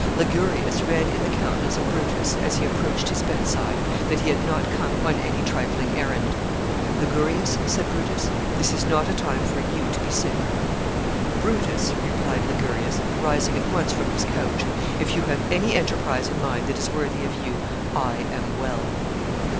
Ligurius read in the countenance of Brutus, as he approached his bedside, that he had not come on any trifling errand. "Ligurius," said Brutus, "this is not a time for you to be sick." "Brutus," replied Ligurius, rising at once from his couch, "if you have any enterprise in mind that is worthy of you, I am well."